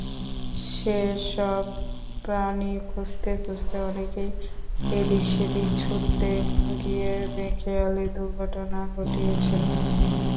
সেসব প্রাণী খুঁজতে খুঁজতে অনেকেই এদিক-সেদিক ছুটতে গিয়ে বেখেয়ালে দুর্ঘটনা ঘটিয়েছেন।